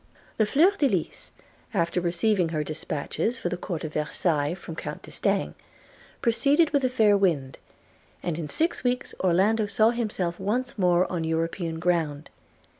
The Fleur de Lys, after receiving her dispatches for the Court of Versailles from Count D'Estaing, proceeded with a fair wind; and in six weeks Orlando saw himself once more on European ground.